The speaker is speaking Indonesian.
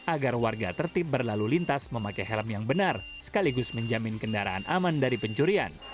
agar warga tertib berlalu lintas memakai helm yang benar sekaligus menjamin kendaraan aman dari pencurian